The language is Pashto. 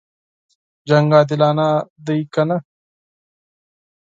جنګ عادلانه دی کنه.